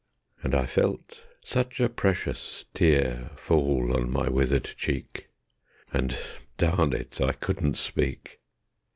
And I felt such a precious tear Fall on my withered cheek, And darn it! I couldn't speak.